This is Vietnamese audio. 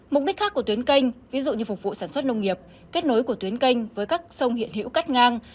mục đích khác của tuyến canh ví dụ như phục vụ sản xuất nông nghiệp kết nối của tuyến canh với các sông hiện hữu cắt ngang